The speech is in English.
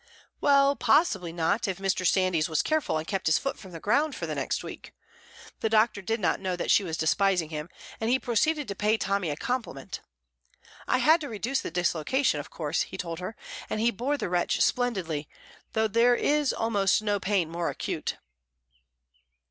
Well, possibly not, if Mr. Sandys was careful and kept his foot from the ground for the next week. The doctor did not know that she was despising him, and he proceeded to pay Tommy a compliment. "I had to reduce the dislocation, of course," he told her, "and he bore the wrench splendidly, though there is almost no pain more acute."